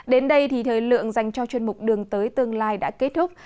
đến đây thì thời lượng dành cho chuyên mục đường tới tương lai đã kết thúc